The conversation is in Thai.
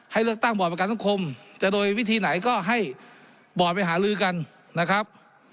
เลือกตั้งบอร์ดประกันสังคมจะโดยวิธีไหนก็ให้บอร์ดไปหาลือกันนะครับ